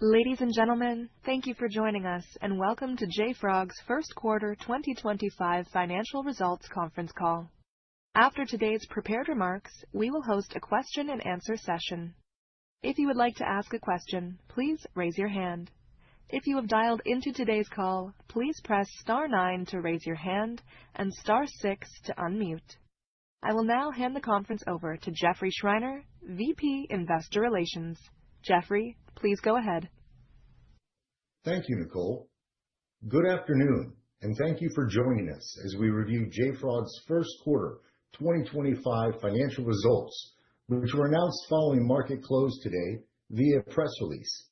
Ladies and gentlemen, thank you for joining us, and welcome to JFrog's First Quarter 2025 Financial Results Conference Call. After today's prepared remarks, we will host a question-and-answer session. If you would like to ask a question, please raise your hand. If you have dialed into today's call, please press star nine to raise your hand and star six to unmute. I will now hand the conference over to Jeffrey Schreiner, VP Investor Relations. Jeffrey, please go ahead. Thank you, Nicole. Good afternoon, and thank you for joining us as we review JFrog's First Quarter 2025 financial results, which were announced following market close today via press release.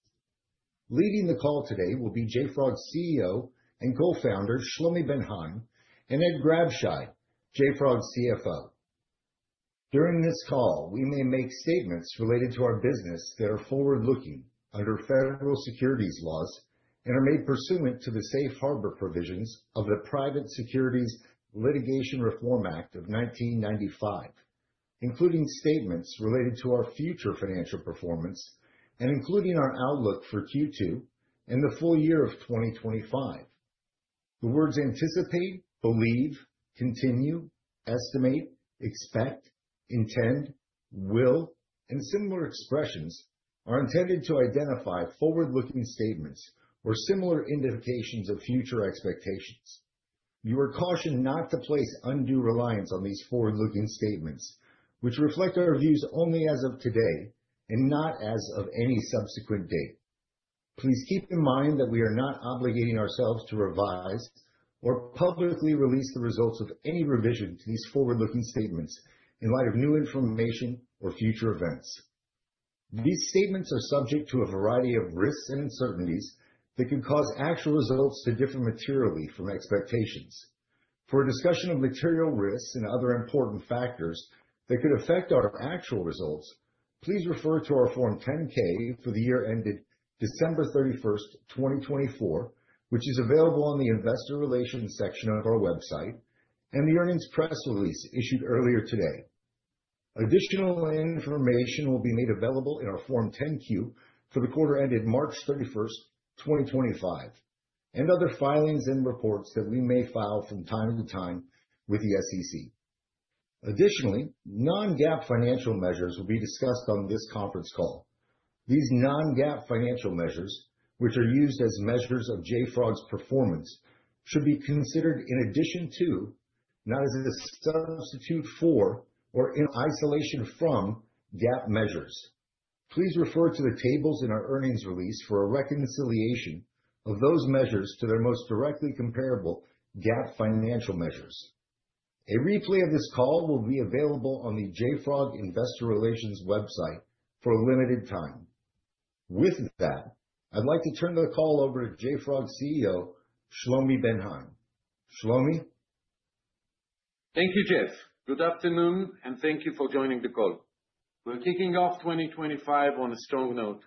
Leading the call today will be JFrog's CEO and co-founder, Shlomi Ben Haim, and Ed Grabscheid, JFrog's CFO. During this call, we may make statements related to our business that are forward-looking under federal securities laws and are made pursuant to the safe harbor provisions of the Private Securities Litigation Reform Act of 1995, including statements related to our future financial performance and including our outlook for Q2 and the full year of 2025. The words anticipate, believe, continue, estimate, expect, intend, will, and similar expressions are intended to identify forward-looking statements or similar indications of future expectations. You are cautioned not to place undue reliance on these forward-looking statements, which reflect our views only as of today and not as of any subsequent date. Please keep in mind that we are not obligating ourselves to revise or publicly release the results of any revision to these forward-looking statements in light of new information or future events. These statements are subject to a variety of risks and uncertainties that could cause actual results to differ materially from expectations. For a discussion of material risks and other important factors that could affect our actual results, please refer to our Form 10-K for the year ended December 31, 2024, which is available on the Investor Relations section of our website and the earnings press release issued earlier today. Additional information will be made available in our Form 10-Q for the quarter ended March 31, 2025, and other filings and reports that we may file from time to time with the SEC. Additionally, non-GAAP financial measures will be discussed on this conference call. These non-GAAP financial measures, which are used as measures of JFrog's performance, should be considered in addition to, not as a substitute for, or in isolation from GAAP measures. Please refer to the tables in our earnings release for a reconciliation of those measures to their most directly comparable GAAP financial measures. A replay of this call will be available on the JFrog Investor Relations website for a limited time. With that, I'd like to turn the call over to JFrog CEO, Shlomi Ben Haim. Shlomi? Thank you, Jeff. Good afternoon, and thank you for joining the call. We are kicking off 2025 on a strong note.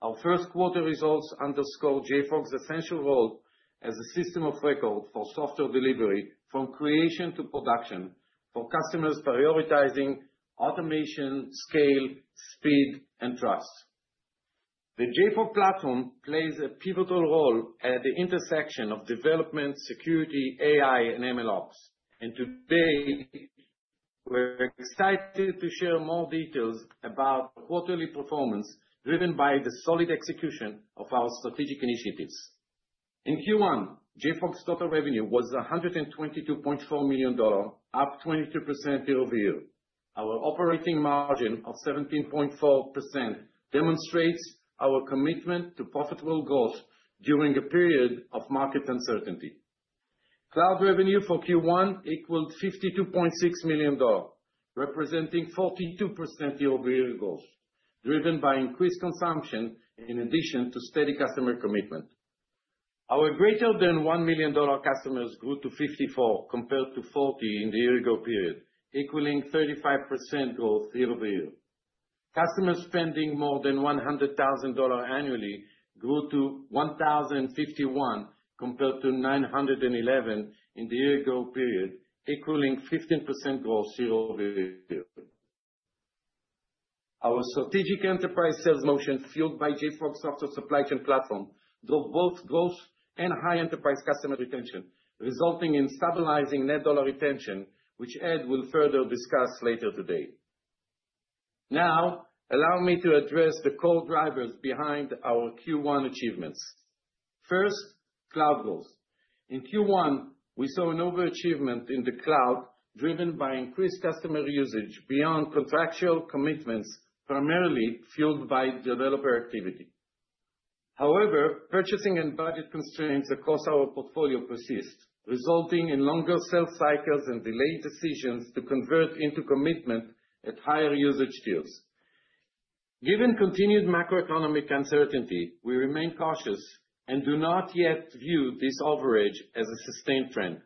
Our first quarter results underscore JFrog's essential role as a system of record for software delivery from creation to production for customers prioritizing automation, scale, speed, and trust. The JFrog Platform plays a pivotal role at the intersection of development, security, AI, and MLOps. Today, we are excited to share more details about quarterly performance driven by the solid execution of our strategic initiatives. In Q1, JFrog's total revenue was $122.4 million, up 22% year over year. Our operating margin of 17.4% demonstrates our commitment to profitable growth during a period of market uncertainty. Cloud revenue for Q1 equaled $52.6 million, representing 42% year over year growth, driven by increased consumption in addition to steady customer commitment. Our greater than $1 million customers grew to 54 compared to 40 in the year-ago period, equaling 35% growth year over year. Customers spending more than $100,000 annually grew to 1,051 compared to 911 in the year-ago period, equaling 15% growth year over year. Our strategic enterprise sales motion fueled by JFrog's software supply chain platform drove both growth and high enterprise customer retention, resulting in stabilizing net dollar retention, which Ed will further discuss later today. Now, allow me to address the core drivers behind our Q1 achievements. First, cloud growth. In Q1, we saw an overachievement in the cloud driven by increased customer usage beyond contractual commitments, primarily fueled by developer activity. However, purchasing and budget constraints across our portfolio persisted, resulting in longer sales cycles and delayed decisions to convert into commitment at higher usage deals. Given continued macroeconomic uncertainty, we remain cautious and do not yet view this overage as a sustained trend.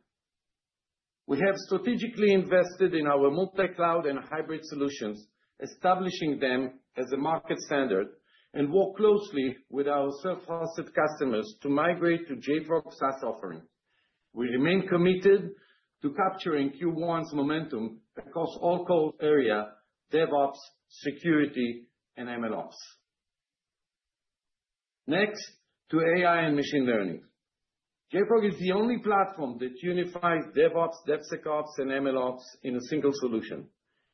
We have strategically invested in our multi-cloud and hybrid solutions, establishing them as a market standard, and work closely with our self-hosted customers to migrate to JFrog's SaaS offering. We remain committed to capturing Q1's momentum across all core areas: DevOps, security, and MLOps. Next, to AI and machine learning. JFrog is the only platform that unifies DevOps, DevSecOps, and MLOps in a single solution.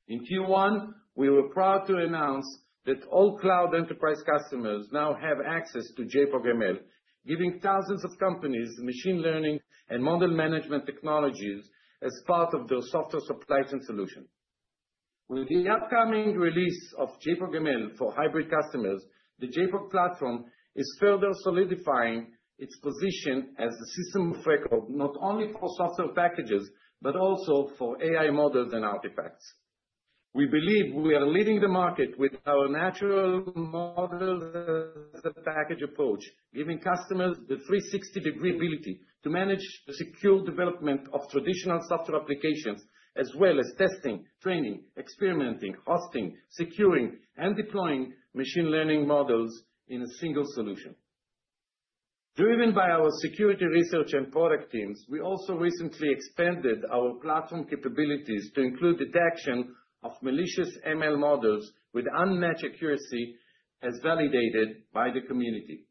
In Q1, we were proud to announce that all cloud enterprise customers now have access to JFrog ML, giving thousands of companies machine learning and model management technologies as part of their software supply chain solution. With the upcoming release of JFrog ML for hybrid customers, the JFrog Platform is further solidifying its position as a system of record not only for software packages, but also for AI models and artifacts. We believe we are leading the market with our natural model as a package approach, giving customers the 360-degree ability to manage the secure development of traditional software applications, as well as testing, training, experimenting, hosting, securing, and deploying machine learning models in a single solution. Driven by our security research and product teams, we also recently expanded our platform capabilities to include detection of malicious ML models with unmatched accuracy as validated by the community.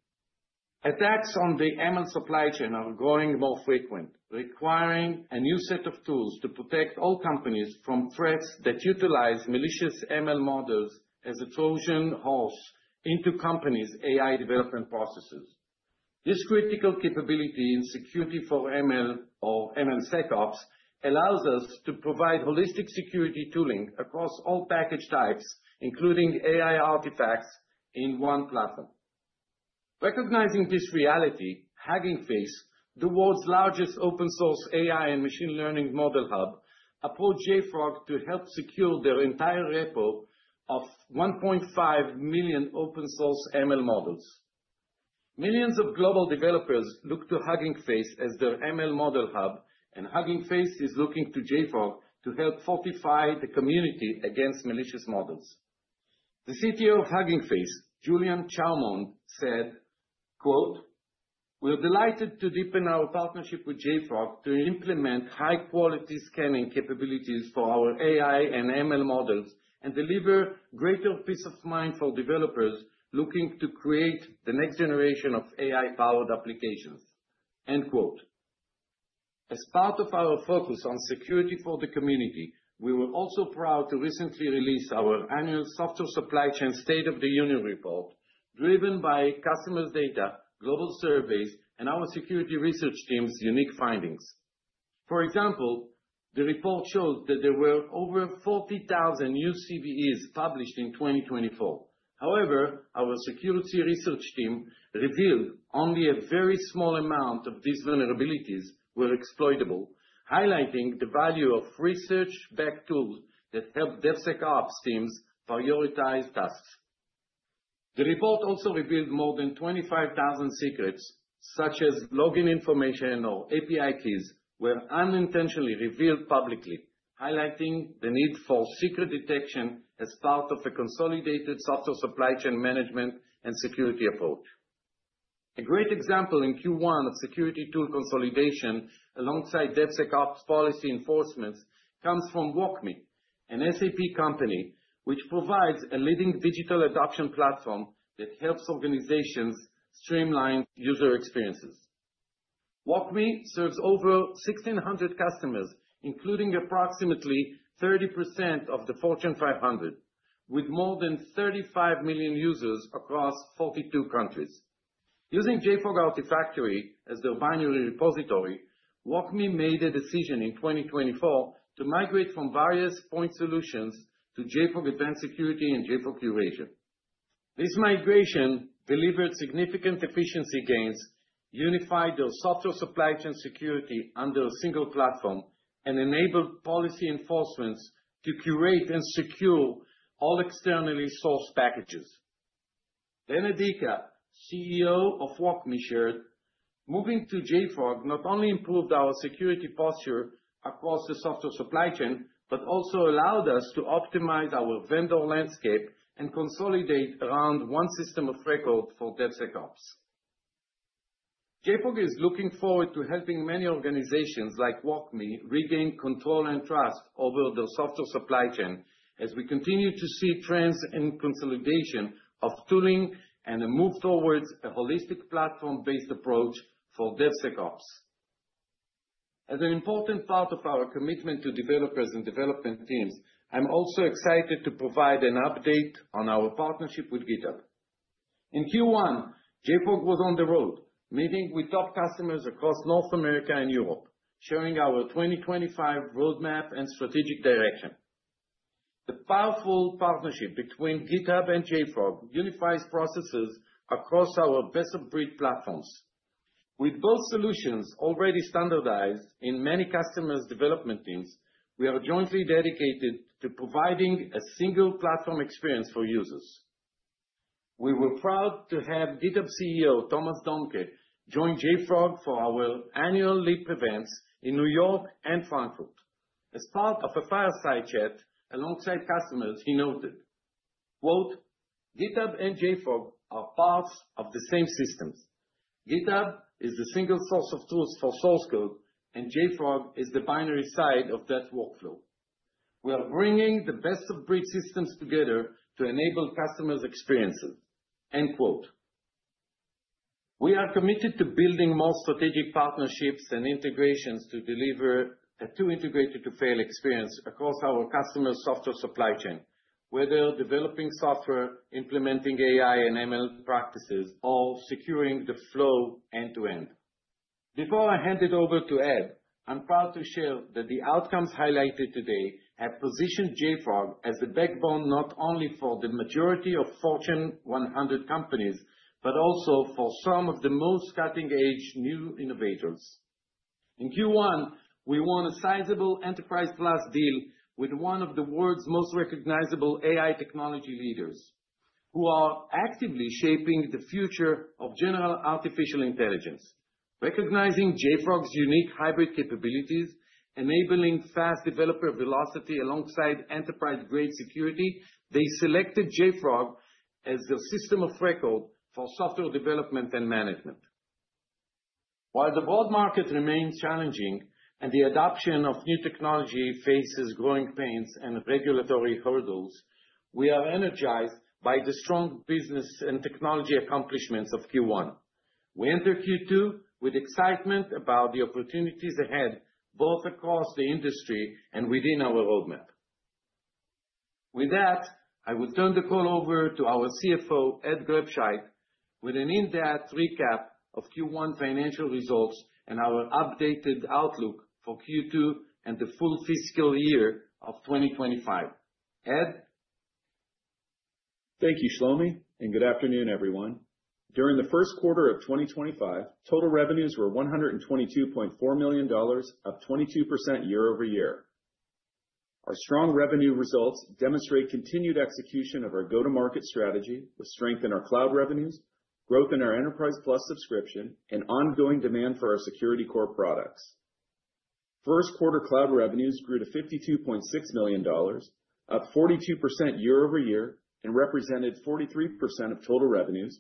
Attacks on the ML supply chain are growing more frequent, requiring a new set of tools to protect all companies from threats that utilize malicious ML models as a Trojan horse into companies' AI development processes. This critical capability in security for ML or MLSecOps allows us to provide holistic security tooling across all package types, including AI artifacts, in one platform. Recognizing this reality, Hugging Face, the world's largest open-source AI and machine learning model hub, approached JFrog to help secure their entire repo of 1.5 million open-source ML models. Millions of global developers look to Hugging Face as their ML model hub, and Hugging Face is looking to JFrog to help fortify the community against malicious models. The CTO of Hugging Face, Julien Chaumond, said, "We're delighted to deepen our partnership with JFrog to implement high-quality scanning capabilities for our AI and ML models and deliver greater peace of mind for developers looking to create the next generation of AI-powered applications." As part of our focus on security for the community, we were also proud to recently release our annual software supply chain state-of-the-union report, driven by customers' data, global surveys, and our security research team's unique findings. For example, the report showed that there were over 40,000 new CVEs published in 2024. However, our security research team revealed only a very small amount of these vulnerabilities were exploitable, highlighting the value of research-backed tools that help DevSecOps teams prioritize tasks. The report also revealed more than 25,000 secrets, such as login information or API keys, were unintentionally revealed publicly, highlighting the need for secret detection as part of a consolidated software supply chain management and security approach. A great example in Q1 of security tool consolidation alongside DevSecOps policy enforcements comes from WalkMe, an SAP company which provides a leading digital adoption platform that helps organizations streamline user experiences. WalkMe serves over 1,600 customers, including approximately 30% of the Fortune 500, with more than 35 million users across 42 countries. Using JFrog Artifactory as their binary repository, WalkMe made a decision in 2024 to migrate from various point solutions to JFrog Advanced Security and JFrog Curation. This migration delivered significant efficiency gains, unified their software supply chain security under a single platform, and enabled policy enforcements to curate and secure all externally sourced packages. Benedica, CEO of WalkMe, shared, "Moving to JFrog not only improved our security posture across the software supply chain, but also allowed us to optimize our vendor landscape and consolidate around one system of record for DevSecOps." JFrog is looking forward to helping many organizations like WalkMe regain control and trust over their software supply chain as we continue to see trends in consolidation of tooling and a move towards a holistic platform-based approach for DevSecOps. As an important part of our commitment to developers and development teams, I'm also excited to provide an update on our partnership with GitHub. In Q1, JFrog was on the road, meeting with top customers across North America and Europe, sharing our 2025 roadmap and strategic direction. The powerful partnership between GitHub and JFrog unifies processes across our best-of-breed platforms. With both solutions already standardized in many customers' development teams, we are jointly dedicated to providing a single platform experience for users. We were proud to have GitHub CEO Thomas Dohmke join JFrog for our annual Leap Events in New York and Frankfurt. As part of a fireside chat alongside customers, he noted, "GitHub and JFrog are parts of the same systems. GitHub is the single source of tools for source code, and JFrog is the binary side of that workflow. We are bringing the best-of-breed systems together to enable customers' experiences." We are committed to building more strategic partnerships and integrations to deliver a two-integrated-to-fail experience across our customers' software supply chain, whether developing software, implementing AI and ML practices, or securing the flow end-to-end. Before I hand it over to Ed, I'm proud to share that the outcomes highlighted today have positioned JFrog as the backbone not only for the majority of Fortune 100 companies, but also for some of the most cutting-edge new innovators. In Q1, we won a sizable enterprise-plus deal with one of the world's most recognizable AI technology leaders, who are actively shaping the future of general artificial intelligence. Recognizing JFrog's unique hybrid capabilities, enabling fast developer velocity alongside enterprise-grade security, they selected JFrog as their system of record for software development and management. While the broad market remains challenging and the adoption of new technology faces growing pains and regulatory hurdles, we are energized by the strong business and technology accomplishments of Q1. We enter Q2 with excitement about the opportunities ahead, both across the industry and within our roadmap. With that, I will turn the call over to our CFO, Ed Grabscheid, with an in-depth recap of Q1 financial results and our updated outlook for Q2 and the full fiscal year of 2025. Ed? Thank you, Shlomi, and good afternoon, everyone. During the first quarter of 2025, total revenues were $122.4 million, up 22% year over year. Our strong revenue results demonstrate continued execution of our go-to-market strategy, with strength in our cloud revenues, growth in our enterprise-plus subscription, and ongoing demand for our security core products. First-quarter cloud revenues grew to $52.6 million, up 42% year over year, and represented 43% of total revenues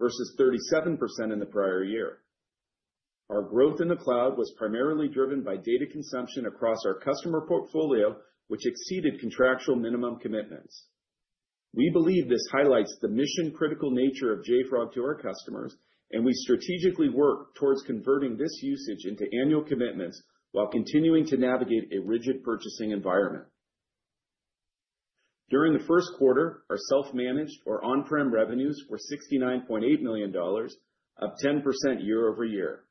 versus 37% in the prior year. Our growth in the cloud was primarily driven by data consumption across our customer portfolio, which exceeded contractual minimum commitments. We believe this highlights the mission-critical nature of JFrog to our customers, and we strategically work towards converting this usage into annual commitments while continuing to navigate a rigid purchasing environment. During the first quarter, our self-managed or on-prem revenues were $69.8 million, up 10% year over year.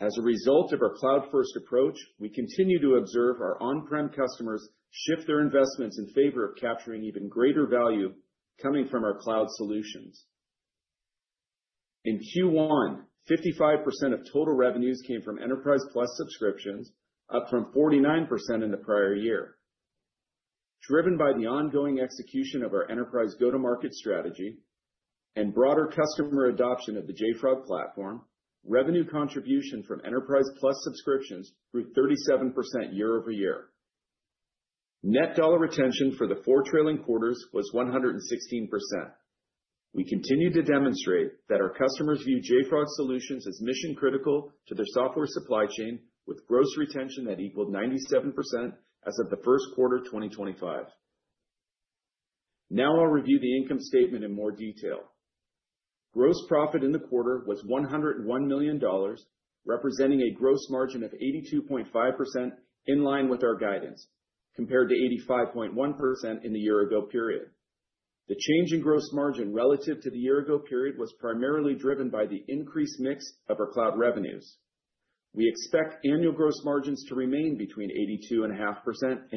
As a result of our cloud-first approach, we continue to observe our on-prem customers shift their investments in favor of capturing even greater value coming from our cloud solutions. In Q1, 55% of total revenues came from enterprise-plus subscriptions, up from 49% in the prior year. Driven by the ongoing execution of our enterprise go-to-market strategy and broader customer adoption of the JFrog platform, revenue contribution from enterprise-plus subscriptions grew 37% year over year. Net dollar retention for the four trailing quarters was 116%. We continue to demonstrate that our customers view JFrog solutions as mission-critical to their software supply chain, with gross retention that equaled 97% as of the first quarter 2025. Now I'll review the income statement in more detail. Gross profit in the quarter was $101 million, representing a gross margin of 82.5% in line with our guidance, compared to 85.1% in the year-ago period. The change in gross margin relative to the year-ago period was primarily driven by the increased mix of our cloud revenues. We expect annual gross margins to remain between 82.5%-83.5%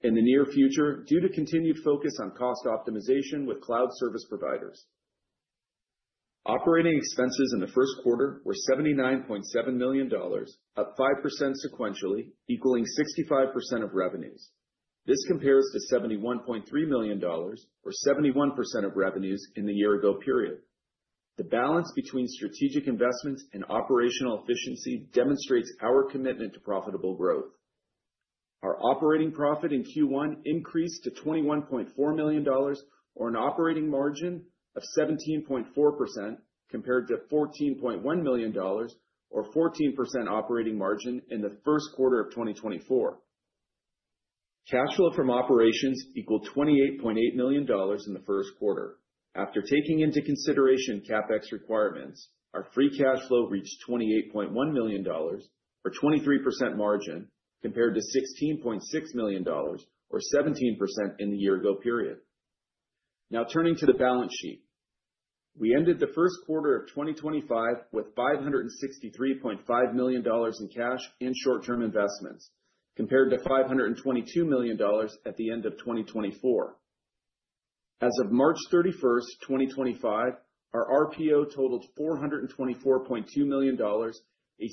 in the near future due to continued focus on cost optimization with cloud service providers. Operating expenses in the first quarter were $79.7 million, up 5% sequentially, equaling 65% of revenues. This compares to $71.3 million, or 71% of revenues in the year-ago period. The balance between strategic investments and operational efficiency demonstrates our commitment to profitable growth. Our operating profit in Q1 increased to $21.4 million, or an operating margin of 17.4%, compared to $14.1 million, or 14% operating margin in the first quarter of 2024. Cash flow from operations equaled $28.8 million in the first quarter. After taking into consideration CapEx requirements, our free cash flow reached $28.1 million, or 23% margin, compared to $16.6 million, or 17% in the year-ago period. Now turning to the balance sheet, we ended the first quarter of 2025 with $563.5 million in cash and short-term investments, compared to $522 million at the end of 2024. As of March 31, 2025, our RPO totaled $424.2 million, a 62%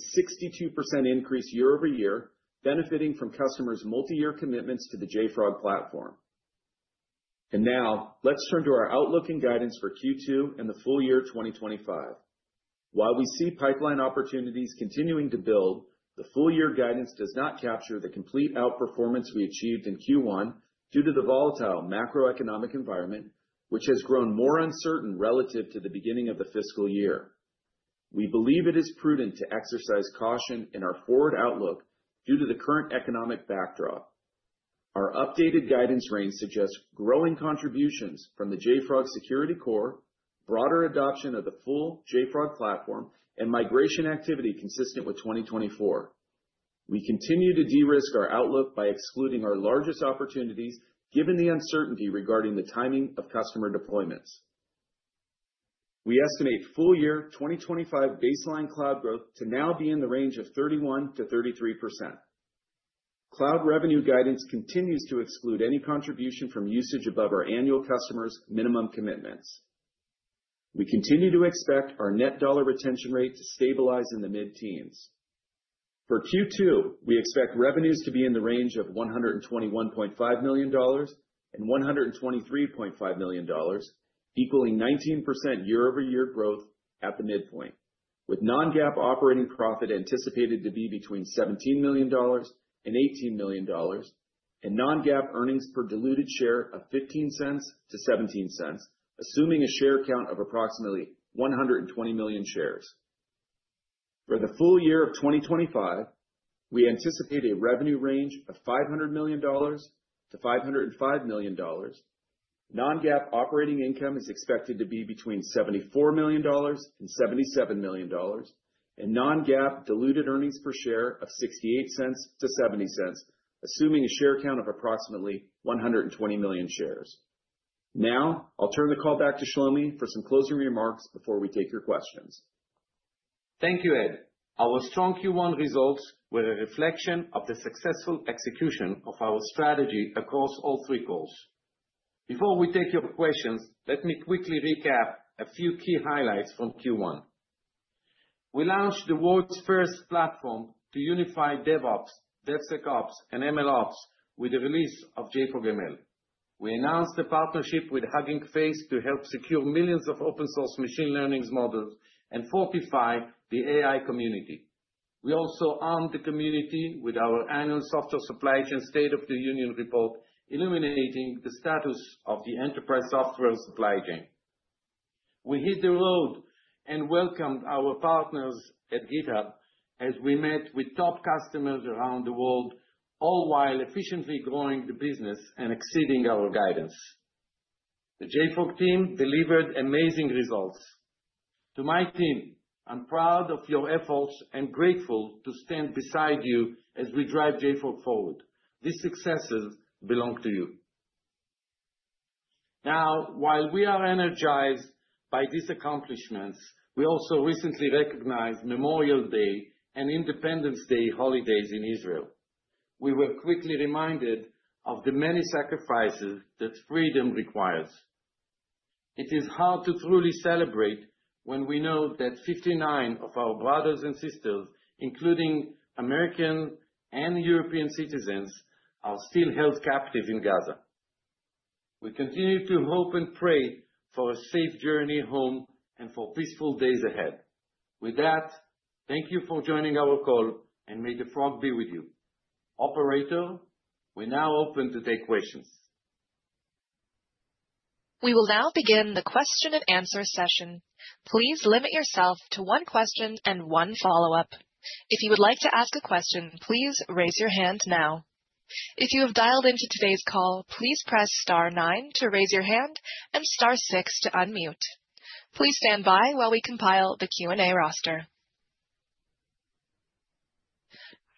increase year over year, benefiting from customers' multi-year commitments to the JFrog Platform. Now let's turn to our outlook and guidance for Q2 and the full year 2025. While we see pipeline opportunities continuing to build, the full year guidance does not capture the complete outperformance we achieved in Q1 due to the volatile macroeconomic environment, which has grown more uncertain relative to the beginning of the fiscal year. We believe it is prudent to exercise caution in our forward outlook due to the current economic backdrop. Our updated guidance range suggests growing contributions from the JFrog Security Corps, broader adoption of the full JFrog Platform, and migration activity consistent with 2024. We continue to de-risk our outlook by excluding our largest opportunities, given the uncertainty regarding the timing of customer deployments. We estimate full year 2025 baseline cloud growth to now be in the range of 31%-33%. Cloud revenue guidance continues to exclude any contribution from usage above our annual customers' minimum commitments. We continue to expect our net dollar retention rate to stabilize in the mid-teens. For Q2, we expect revenues to be in the range of $121.5 million-$123.5 million, equaling 19% year-over-year growth at the midpoint, with non-GAAP operating profit anticipated to be between $17 million and $18 million, and non-GAAP earnings per diluted share of $0.15-$0.17, assuming a share count of approximately 120 million shares. For the full year of 2025, we anticipate a revenue range of $500 million-$505 million. Non-GAAP operating income is expected to be between $74 million and $77 million, and non-GAAP diluted earnings per share of $0.68-$0.70, assuming a share count of approximately 120 million shares. Now I'll turn the call back to Shlomi for some closing remarks before we take your questions. Thank you, Ed. Our strong Q1 results were a reflection of the successful execution of our strategy across all three calls. Before we take your questions, let me quickly recap a few key highlights from Q1. We launched the world's first platform to unify DevOps, DevSecOps, and MLOps with the release of JFrog ML. We announced a partnership with Hugging Face to help secure millions of open-source machine learning models and fortify the AI community. We also armed the community with our annual software supply chain state-of-the-union report, illuminating the status of the enterprise software supply chain. We hit the road and welcomed our partners at GitHub as we met with top customers around the world, all while efficiently growing the business and exceeding our guidance. The JFrog team delivered amazing results. To my team, I'm proud of your efforts and grateful to stand beside you as we drive JFrog forward. These successes belong to you. Now, while we are energized by these accomplishments, we also recently recognized Memorial Day and Independence Day holidays in Israel. We were quickly reminded of the many sacrifices that freedom requires. It is hard to truly celebrate when we know that 59 of our brothers and sisters, including American and European citizens, are still held captive in Gaza. We continue to hope and pray for a safe journey home and for peaceful days ahead. With that, thank you for joining our call, and may the Frog be with you. Operator, we're now open to take questions. We will now begin the question and answer session. Please limit yourself to one question and one follow-up. If you would like to ask a question, please raise your hand now. If you have dialed into today's call, please press star nine to raise your hand and star six to unmute. Please stand by while we compile the Q&A roster.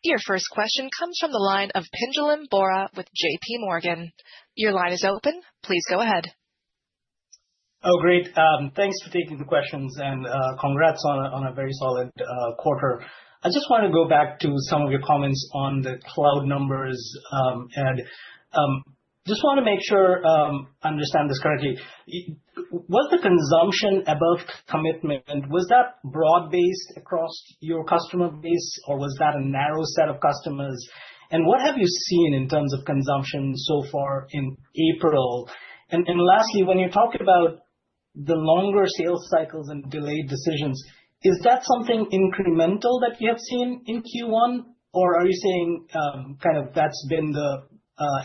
Your first question comes from the line of Pinjalim Bora with JPMorgan. Your line is open. Please go ahead. Oh, great. Thanks for taking the questions, and congrats on a very solid quarter. I just want to go back to some of your comments on the cloud numbers, Ed. Just want to make sure I understand this correctly. Was the consumption above commitment, was that broad-based across your customer base, or was that a narrow set of customers? What have you seen in terms of consumption so far in April? Lastly, when you talk about the longer sales cycles and delayed decisions, is that something incremental that you have seen in Q1, or are you saying kind of that's been the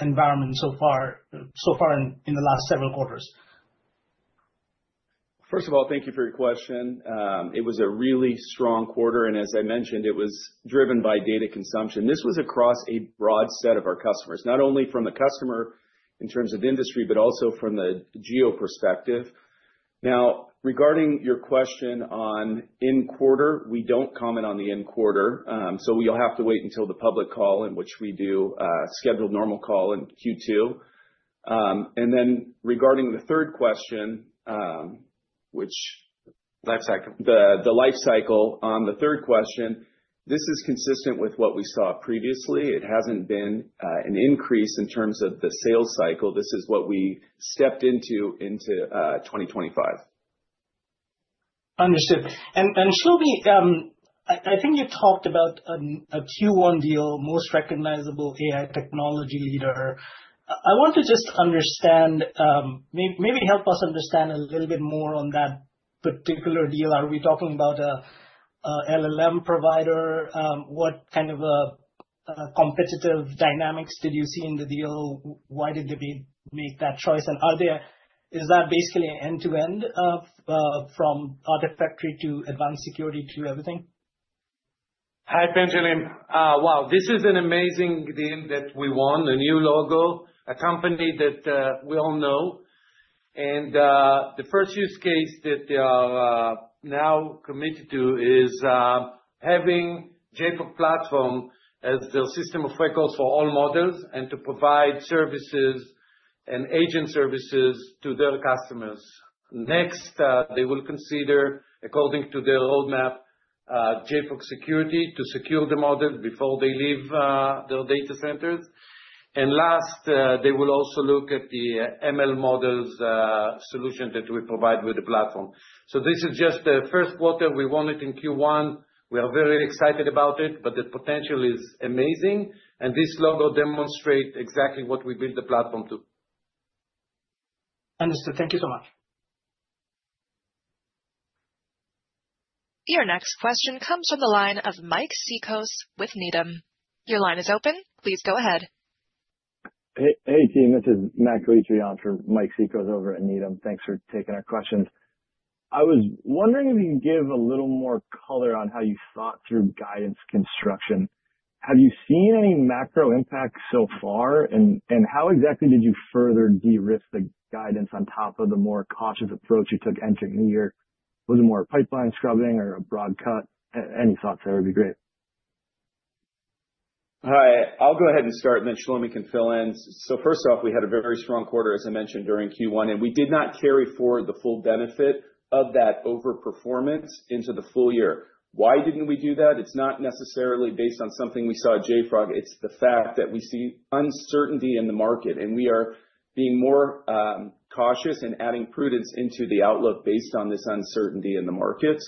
environment so far in the last several quarters? First of all, thank you for your question. It was a really strong quarter, and as I mentioned, it was driven by data consumption. This was across a broad set of our customers, not only from the customer in terms of industry, but also from the geo perspective. Now, regarding your question on end quarter, we do not comment on the end quarter, so we will have to wait until the public call, in which we do a scheduled normal call in Q2. Regarding the third question, which the life cycle on the third question, this is consistent with what we saw previously. It has not been an increase in terms of the sales cycle. This is what we stepped into in 2025. Understood. Shlomi, I think you talked about a Q1 deal, most recognizable AI technology leader. I want to just understand, maybe help us understand a little bit more on that particular deal. Are we talking about an LLM provider? What kind of competitive dynamics did you see in the deal? Why did they make that choice? Is that basically end-to-end, from Artifactory to Advanced Security to everything? Hi, Pendulum. Wow, this is an amazing deal that we won, a new logo, a company that we all know. The first use case that they are now committed to is having JFrog Platform as their system of records for all models and to provide services and agent services to their customers. Next, they will consider, according to their roadmap, JFrog security to secure the models before they leave their data centers. Last, they will also look at the ML models solution that we provide with the platform. This is just the first quarter we wanted in Q1. We are very excited about it, but the potential is amazing. This logo demonstrates exactly what we built the platform to. Understood. Thank you so much. Your next question comes from the line of Mike Cikos with Needham. Your line is open. Please go ahead. Hey, team. This is Matt Grigiou from Mike Cikos over at Needham. Thanks for taking our questions. I was wondering if you could give a little more color on how you thought through guidance construction. Have you seen any macro impacts so far, and how exactly did you further de-risk the guidance on top of the more cautious approach you took entering the year? Was it more pipeline scrubbing or a broad cut? Any thoughts there would be great. All right. I'll go ahead and start, and then Shlomi can fill in. First off, we had a very strong quarter, as I mentioned, during Q1, and we did not carry forward the full benefit of that overperformance into the full year. Why didn't we do that? It's not necessarily based on something we saw at JFrog. It's the fact that we see uncertainty in the market, and we are being more cautious and adding prudence into the outlook based on this uncertainty in the markets.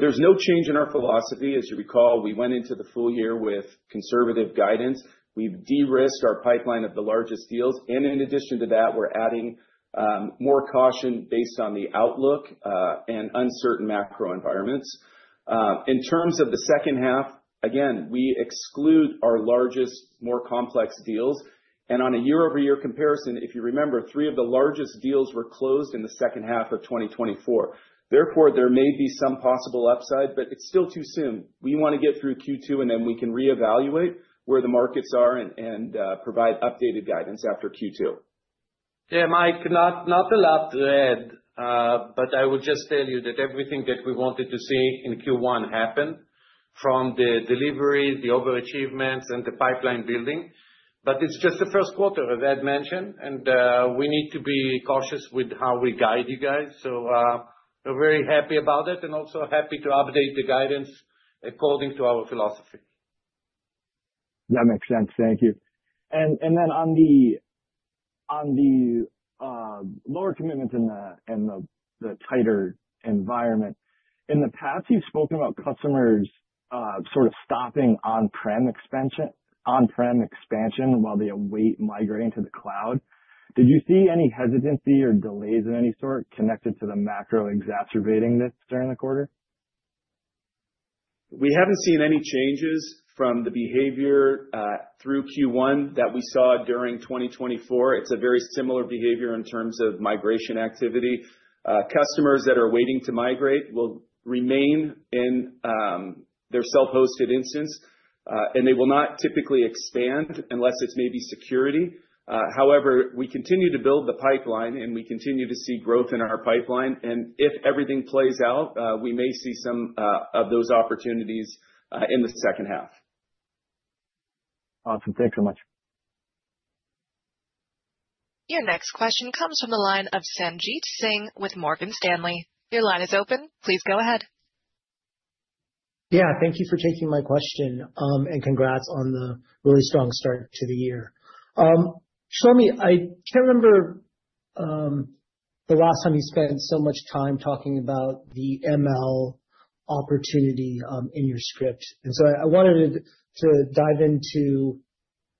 There's no change in our philosophy. As you recall, we went into the full year with conservative guidance. We've de-risked our pipeline of the largest deals, and in addition to that, we're adding more caution based on the outlook and uncertain macro environments. In terms of the second half, again, we exclude our largest, more complex deals. On a year-over-year comparison, if you remember, three of the largest deals were closed in the second half of 2024. Therefore, there may be some possible upside, but it's still too soon. We want to get through Q2, and then we can reevaluate where the markets are and provide updated guidance after Q2. Yeah, Mike, not a lot to add, but I will just tell you that everything that we wanted to see in Q1 happened from the delivery, the overachievements, and the pipeline building. It's just the first quarter, as Ed mentioned, and we need to be cautious with how we guide you guys. We're very happy about it and also happy to update the guidance according to our philosophy. That makes sense. Thank you. On the lower commitments and the tighter environment, in the past, you've spoken about customers sort of stopping on-prem expansion while they await migrating to the cloud. Did you see any hesitancy or delays of any sort connected to the macro exacerbating this during the quarter? We haven't seen any changes from the behavior through Q1 that we saw during 2024. It's a very similar behavior in terms of migration activity. Customers that are waiting to migrate will remain in their self-hosted instance, and they will not typically expand unless it's maybe security. However, we continue to build the pipeline, and we continue to see growth in our pipeline. If everything plays out, we may see some of those opportunities in the second half. Awesome. Thanks so much. Your next question comes from the line of Sanjit Singh with Morgan Stanley. Your line is open. Please go ahead. Yeah, thank you for taking my question, and congrats on the really strong start to the year. Shlomi, I can't remember the last time you spent so much time talking about the ML opportunity in your script. I wanted to dive into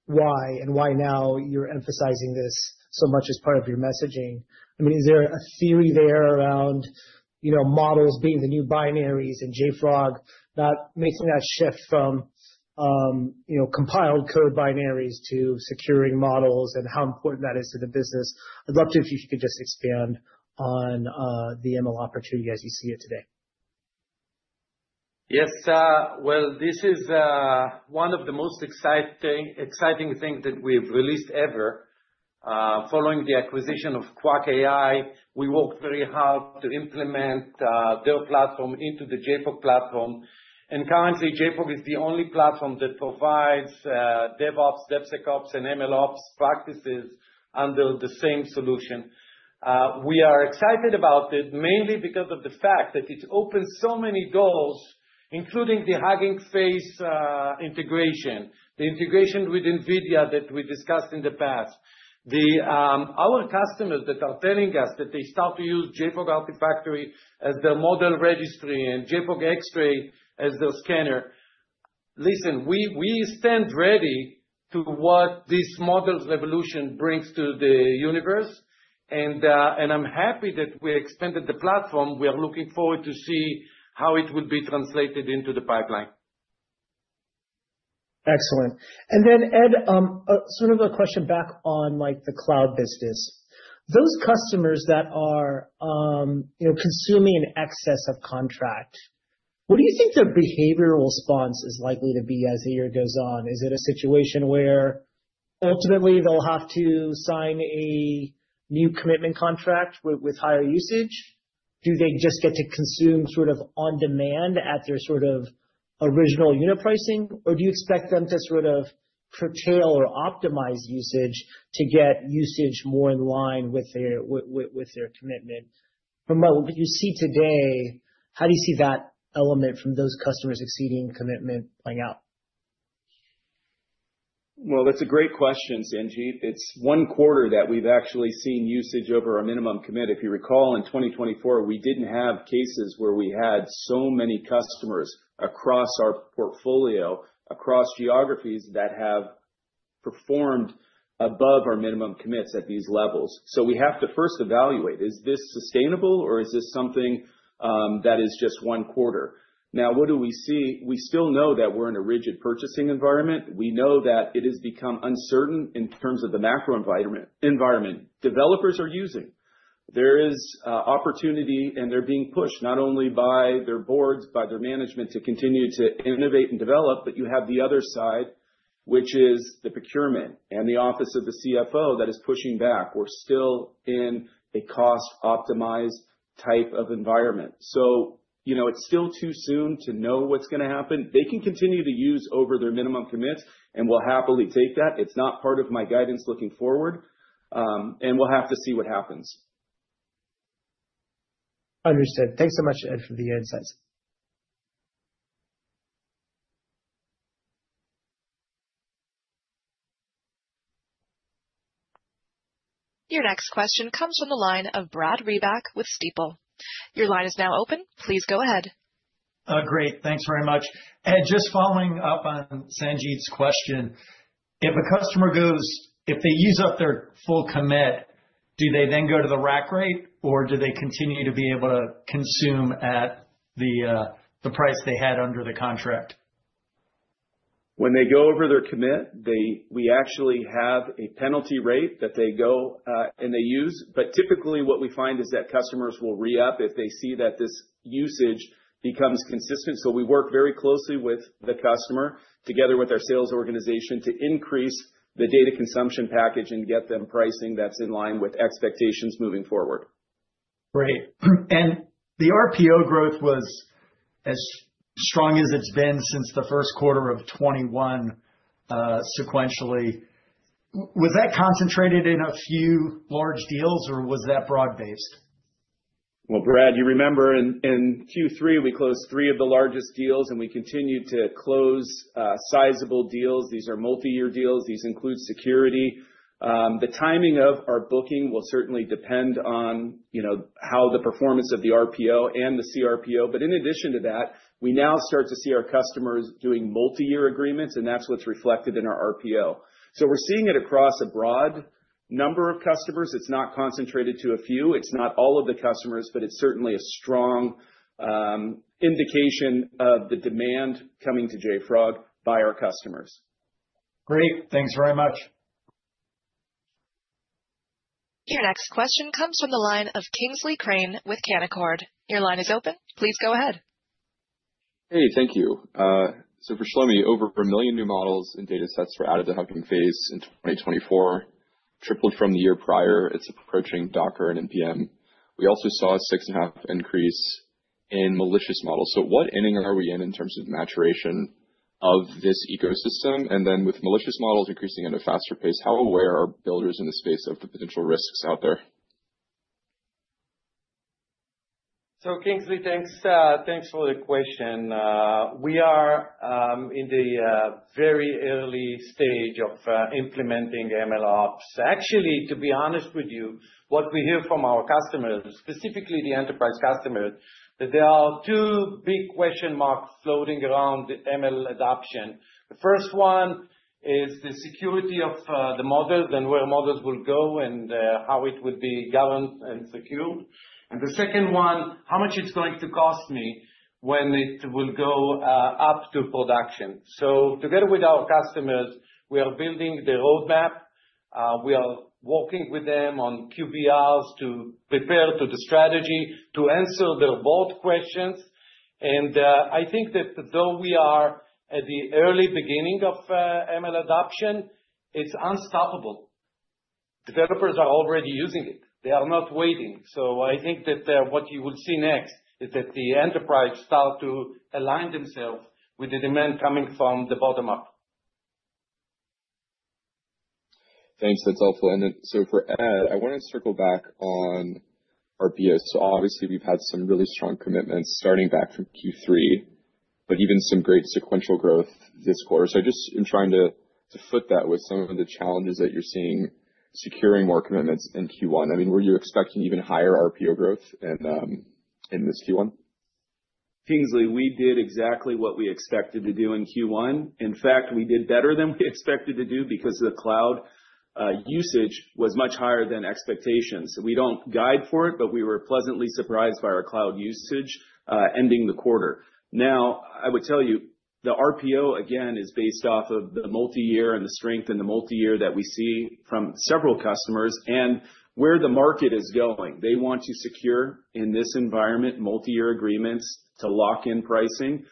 why and why now you're emphasizing this so much as part of your messaging. I mean, is there a theory there around models being the new binaries and JFrog not making that shift from compiled code binaries to securing models and how important that is to the business? I'd love to, if you could just expand on the ML opportunity as you see it today. Yes. This is one of the most exciting things that we've released ever. Following the acquisition of Quack AI, we worked very hard to implement their platform into the JFrog platform. Currently, JFrog is the only platform that provides DevOps, DevSecOps, and MLOps practices under the same solution. We are excited about it mainly because of the fact that it has opened so many doors, including the Hugging Face integration, the integration with NVIDIA that we discussed in the past. Our customers are telling us that they start to use JFrog Artifactory as their model registry and JFrog Xray as their scanner. Listen, we stand ready to see what this model's revolution brings to the universe. I am happy that we expanded the platform. We are looking forward to see how it will be translated into the pipeline. Excellent. Ed, sort of a question back on the cloud business. Those customers that are consuming in excess of contract, what do you think their behavioral response is likely to be as the year goes on? Is it a situation where ultimately they'll have to sign a new commitment contract with higher usage? Do they just get to consume sort of on demand at their sort of original unit pricing, or do you expect them to sort of curtail or optimize usage to get usage more in line with their commitment? From what you see today, how do you see that element from those customers exceeding commitment playing out? That's a great question, Sanjit. It's one quarter that we've actually seen usage over our minimum commit. If you recall, in 2024, we didn't have cases where we had so many customers across our portfolio, across geographies, that have performed above our minimum commits at these levels. We have to first evaluate, is this sustainable, or is this something that is just one quarter? Now, what do we see? We still know that we're in a rigid purchasing environment. We know that it has become uncertain in terms of the macro environment developers are using. There is opportunity, and they're being pushed not only by their boards, by their management to continue to innovate and develop, but you have the other side, which is the procurement and the office of the CFO that is pushing back. We're still in a cost-optimized type of environment. It's still too soon to know what's going to happen. They can continue to use over their minimum commits, and we'll happily take that. It's not part of my guidance looking forward, and we'll have to see what happens. Understood. Thanks so much, Ed, for the insights. Your next question comes from the line of Brad Reback with Stifel. Your line is now open. Please go ahead. Great. Thanks very much. Ed, just following up on Sanjit’s question, if a customer goes, if they use up their full commit, do they then go to the rack rate, or do they continue to be able to consume at the price they had under the contract? When they go over their commit, we actually have a penalty rate that they go and they use. Typically, what we find is that customers will re-up if they see that this usage becomes consistent. We work very closely with the customer, together with our sales organization, to increase the data consumption package and get them pricing that’s in line with expectations moving forward. Great. The RPO growth was as strong as it's been since the first quarter of 2021 sequentially. Was that concentrated in a few large deals, or was that broad-based? Brad, you remember in Q3, we closed three of the largest deals, and we continued to close sizable deals. These are multi-year deals. These include security. The timing of our booking will certainly depend on how the performance of the RPO and the CRPO. In addition to that, we now start to see our customers doing multi-year agreements, and that's what's reflected in our RPO. We're seeing it across a broad number of customers. It's not concentrated to a few. It's not all of the customers, but it's certainly a strong indication of the demand coming to JFrog by our customers. Great. Thanks very much. Your next question comes from the line of Kingsley Crane with Canaccord. Your line is open. Please go ahead. Hey, thank you. So for Shlomi, over a million new models and datasets were added to Hugging Face in 2024, tripled from the year prior. It is approaching Docker and NPM. We also saw a six-and-a-half increase in malicious models. What inning are we in in terms of maturation of this ecosystem? With malicious models increasing at a faster pace, how aware are builders in the space of the potential risks out there? Kingsley, thanks for the question. We are in the very early stage of implementing MLOps. Actually, to be honest with you, what we hear from our customers, specifically the enterprise customers, is that there are two big question marks floating around ML adoption. The first one is the security of the models and where models will go and how it will be governed and secured. The second one, how much it's going to cost me when it will go up to production. Together with our customers, we are building the roadmap. We are working with them on QBRs to prepare the strategy to answer their board questions. I think that though we are at the early beginning of ML adoption, it's unstoppable. Developers are already using it. They are not waiting. I think that what you will see next is that the enterprise starts to align themselves with the demand coming from the bottom up. Thanks. That's helpful. For Ed, I want to circle back on RPO. Obviously, we've had some really strong commitments starting back from Q3, but even some great sequential growth this quarter. I am trying to foot that with some of the challenges that you're seeing securing more commitments in Q1. I mean, were you expecting even higher RPO growth in this Q1? Kingsley, we did exactly what we expected to do in Q1. In fact, we did better than we expected to do because the cloud usage was much higher than expectations. We do not guide for it, but we were pleasantly surprised by our cloud usage ending the quarter. Now, I would tell you, the RPO, again, is based off of the multi-year and the strength in the multi-year that we see from several customers and where the market is going. They want to secure in this environment multi-year agreements to lock in pricing.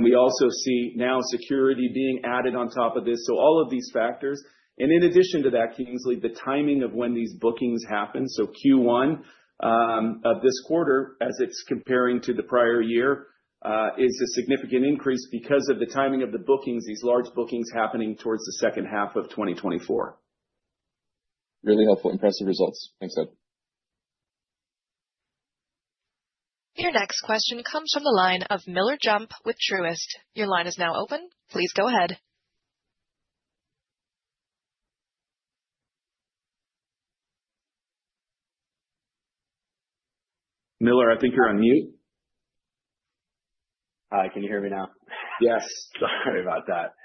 We also see now security being added on top of this. All of these factors. In addition to that, Kingsley, the timing of when these bookings happen, so Q1 of this quarter as it is comparing to the prior year, is a significant increase because of the timing of the bookings, these large bookings happening towards the second half of 2024. Really helpful, impressive results. Thanks, Ed. Your next question comes from the line of Miller Jump with Truist. Your line is now open. Please go ahead. Miller, I think you are on mute. Hi, can you hear me now? Yes. Sorry about that.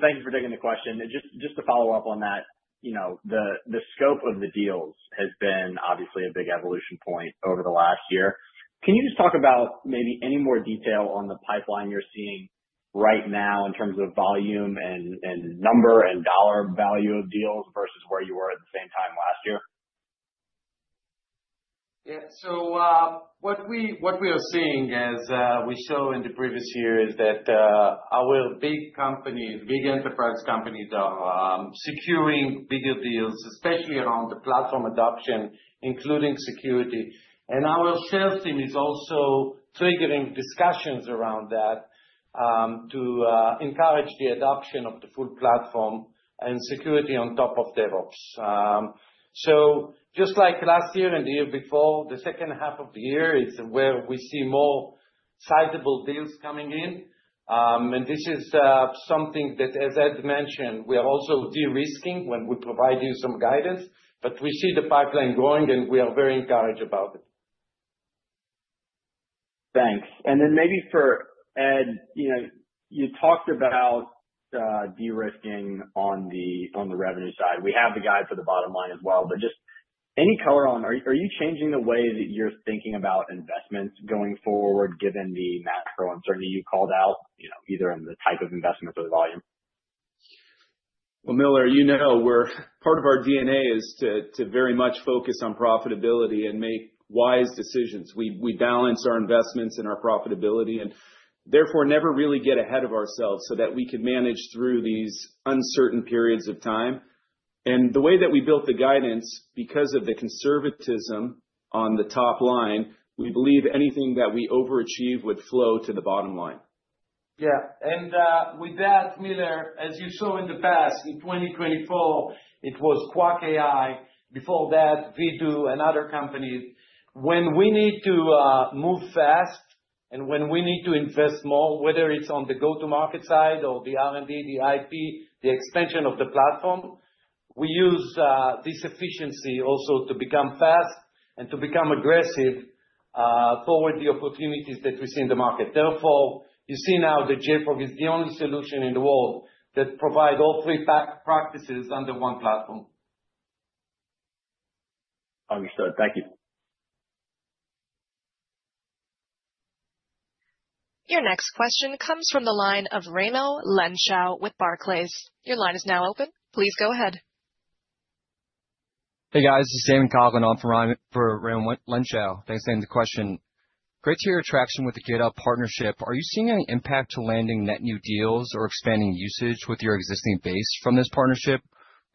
Thank you for taking the question. Just to follow up on that, the scope of the deals has been obviously a big evolution point over the last year. Can you just talk about maybe any more detail on the pipeline you're seeing right now in terms of volume and number and dollar value of deals versus where you were at the same time last year Yeah. What we are seeing as we showed in the previous year is that our big companies, big enterprise companies, are securing bigger deals, especially around the platform adoption, including security. Our sales team is also triggering discussions around that to encourage the adoption of the full platform and security on top of DevOps. Just like last year and the year before, the second half of the year is where we see more sizable deals coming in. This is something that, as Ed mentioned, we are also de-risking when we provide you some guidance, but we see the pipeline growing, and we are very encouraged about it. Thanks. And then maybe for Ed, you talked about de-risking on the revenue side. We have the guide for the bottom line as well, but just any color on, are you changing the way that you're thinking about investments going forward given the macro uncertainty you called out, either in the type of investments or the volume? Miller, you know part of our DNA is to very much focus on profitability and make wise decisions. We balance our investments and our profitability and therefore never really get ahead of ourselves so that we can manage through these uncertain periods of time. The way that we built the guidance, because of the conservatism on the top line, we believe anything that we overachieve would flow to the bottom line. Yeah. With that, Miller, as you saw in the past, in 2024, it was Quack AI. Before that, Vidu and other companies. When we need to move fast and when we need to invest more, whether it's on the go-to-market side or the R&D, the IP, the expansion of the platform, we use this efficiency also to become fast and to become aggressive forward the opportunities that we see in the market. Therefore, you see now that JFrog is the only solution in the world that provides all three practices under one platform. Understood. Thank you. Your next question comes from the line of Raymond Lenshaw with Barclays. Your line is now open. Please go ahead. Hey, guys. This is Damon Coughlin. I'm from Raymond Lenshaw. Thanks for taking the question. Great to hear your traction with the GitHub partnership. Are you seeing an impact to landing net new deals or expanding usage with your existing base from this partnership,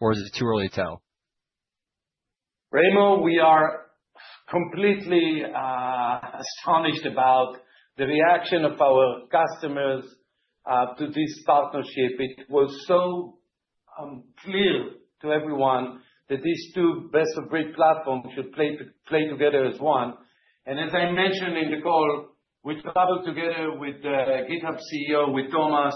or is it too early to tell? Raymond, we are completely astonished about the reaction of our customers to this partnership. It was so clear to everyone that these two best-of-breed platforms should play together as one. As I mentioned in the call, we traveled together with GitHub CEO, with Thomas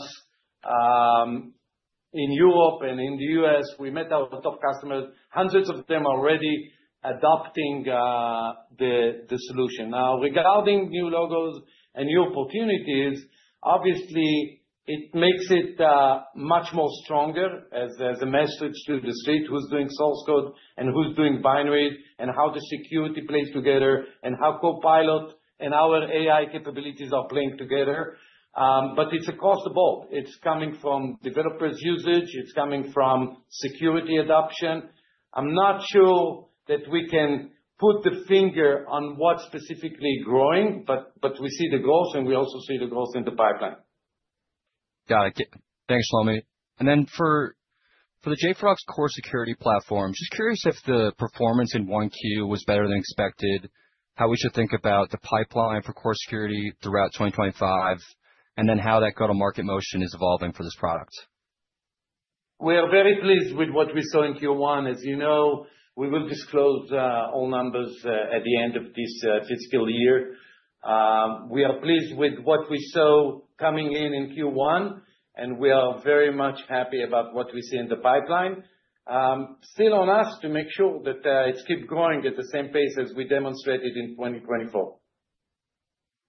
in Europe and in the U.S. We met our top customers, hundreds of them already adopting the solution. Now, regarding new logos and new opportunities, obviously, it makes it much more stronger as a message to the state who's doing source code and who's doing binary and how the security plays together and how Copilot and our AI capabilities are playing together. It is across the board. It is coming from developers' usage. It is coming from security adoption. I'm not sure that we can put the finger on what's specifically growing, but we see the growth, and we also see the growth in the pipeline. Got it. Thanks, Shlomi. For the JFrog's core security platform, just curious if the performance in Q1 was better than expected, how we should think about the pipeline for core security throughout 2025, and how that go-to-market motion is evolving for this product. We are very pleased with what we saw in Q1. As you know, we will disclose all numbers at the end of this fiscal year. We are pleased with what we saw coming in in Q1, and we are very much happy about what we see in the pipeline. Still on us to make sure that it keeps growing at the same pace as we demonstrated in 2024.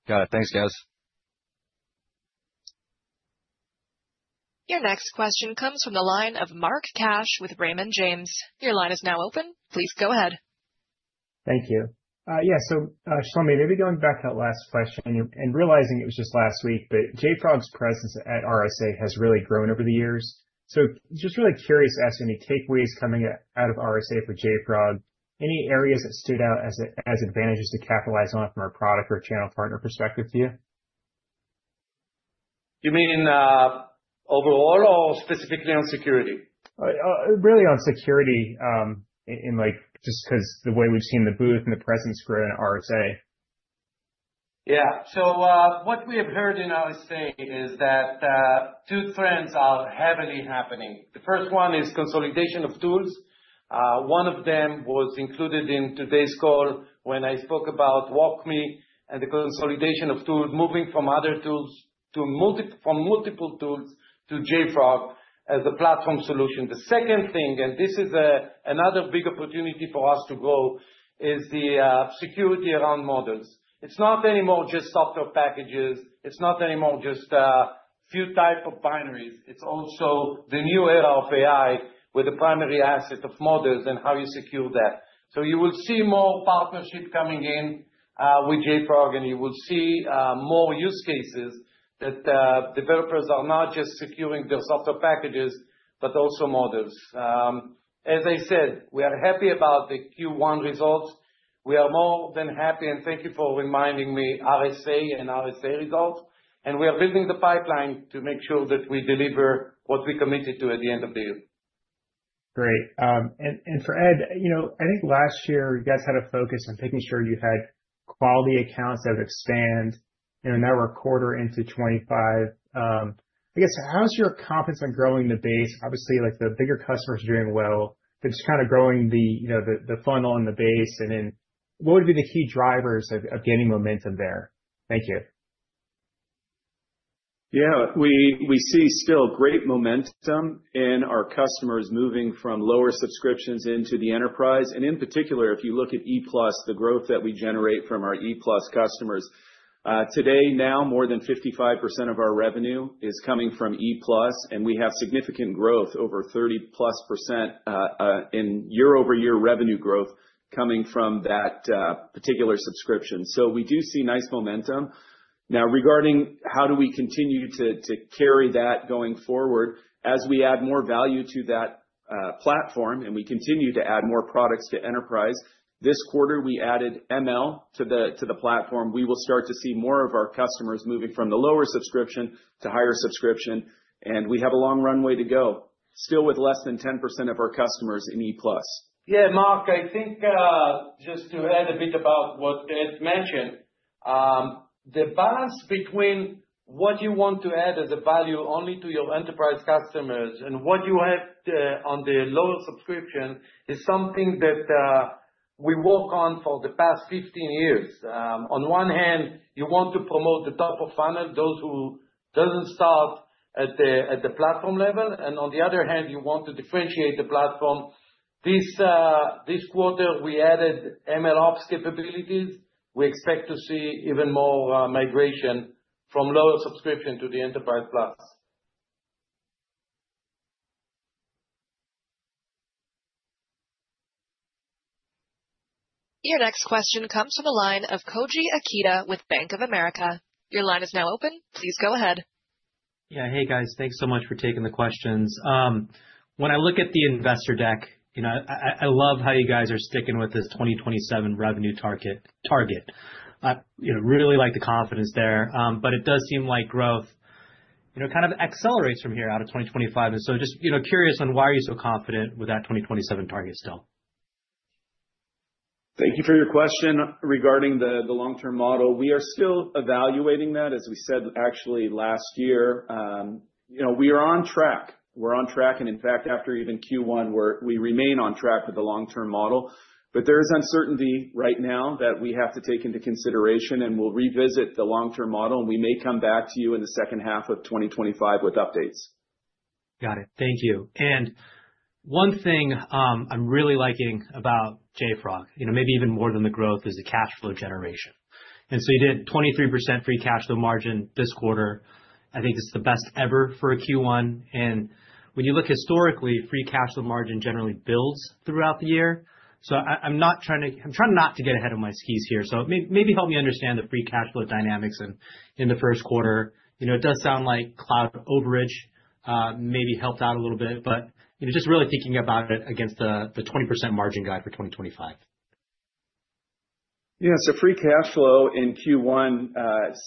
Got it. Thanks, guys. Thank you. Yeah. So Shlomi, maybe going back to that last question and realizing it was just last week, but JFrog's presence at RSA has really grown over the years. Just really curious as to any takeaways coming out of RSA for JFrog, any areas that stood out as advantages to capitalize on from our product or channel partner perspective to you? You mean overall or specifically on security? Really on security just because the way we've seen the booth and the presence grow in RSA. Yeah. What we have heard in RSA is that two trends are heavily happening. The first one is consolidation of tools. One of them was included in today's call when I spoke about WalkMe and the consolidation of tools, moving from other tools to multiple tools to JFrog as a platform solution. The second thing, and this is another big opportunity for us to grow, is the security around models. It's not anymore just software packages. It's not anymore just a few types of binaries. It's also the new era of AI with the primary asset of models and how you secure that. You will see more partnership coming in with JFrog, and you will see more use cases that developers are not just securing their software packages, but also models. As I said, we are happy about the Q1 results. We are more than happy, and thank you for reminding me RSA and RSA results. We are building the pipeline to make sure that we deliver what we committed to at the end of the year. Great. For Ed, I think last year you guys had a focus on making sure you had quality accounts that would expand in that recorder into 2025. I guess, how's your confidence on growing the base? Obviously, the bigger customers are doing well. They're just kind of growing the funnel and the base. What would be the key drivers of getting momentum there? Thank you. Yeah. We see still great momentum in our customers moving from lower subscriptions into the enterprise. In particular, if you look at E+, the growth that we generate from our E+ customers. Today, now more than 55% of our revenue is coming from E+, and we have significant growth, over 30% in year-over-year revenue growth coming from that particular subscription. We do see nice momentum. Now, regarding how do we continue to carry that going forward as we add more value to that platform and we continue to add more products to enterprise, this quarter we added ML to the platform. We will start to see more of our customers moving from the lower subscription to higher subscription, and we have a long runway to go, still with less than 10% of our customers in E+. Yeah, Mark, I think just to add a bit about what Ed mentioned, the balance between what you want to add as a value only to your enterprise customers and what you have on the lower subscription is something that we work on for the past 15 years. On one hand, you want to promote the top of funnel, those who don't start at the platform level. On the other hand, you want to differentiate the platform. This quarter, we added MLOps capabilities. We expect to see even more migration from lower subscription to the enterprise plus. Your next question comes from the line of Koji Ikeda with Bank of America. Your line is now open. Please go ahead. Yeah. Hey, guys. Thanks so much for taking the questions. When I look at the investor deck, I love how you guys are sticking with this 2027 revenue target. I really like the confidence there, but it does seem like growth kind of accelerates from here out of 2025. And so just curious on why are you so confident with that 2027 target still? Thank you for your question regarding the long-term model. We are still evaluating that, as we said, actually last year. We are on track. We're on track. And in fact, after even Q1, we remain on track with the long-term model. But there is uncertainty right now that we have to take into consideration, and we'll revisit the long-term model, and we may come back to you in the second half of 2025 with updates. Got it. Thank you. And one thing I'm really liking about JFrog, maybe even more than the growth, is the cash flow generation. And so you did 23% free cash flow margin this quarter. I think it's the best ever for a Q1. When you look historically, free cash flow margin generally builds throughout the year. I'm trying not to get ahead of my skis here. Maybe help me understand the free cash flow dynamics in the first quarter. It does sound like cloud overage maybe helped out a little bit, but just really thinking about it against the 20% margin guide for 2025. Yeah. Free cash flow in Q1